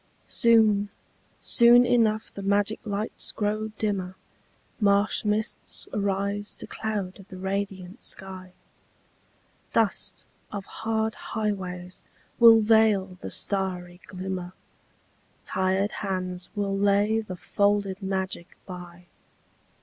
Soon, soon enough the magic lights grow dimmer, Marsh mists arise to cloud the radiant sky, Dust of hard highways will veil the starry glimmer, Tired hands will lay the folded magic by.